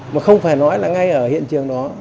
mà không phải nói là ngay ở hiện trường đó